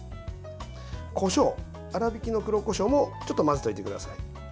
こしょう、粗びきの黒こしょうもちょっと混ぜておいてください。